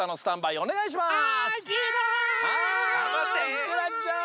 いってらっしゃい！